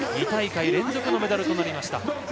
２大会連続のメダルとなりました。